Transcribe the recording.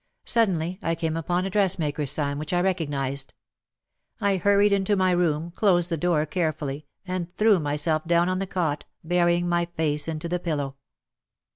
Suddenly I came upon a dressmaker's sign which I recognised. I hurried into my room, closed the door carefully, and threw myself down on the cot, burying my face into the pillow.